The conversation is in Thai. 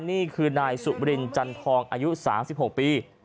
นี่คือนายสุบรินจันทองอายุ๓๖ปี